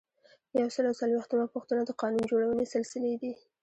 یو سل او څلویښتمه پوښتنه د قانون جوړونې سلسلې دي.